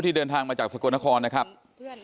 แม่น้องชมพู่แม่น้องชมพู่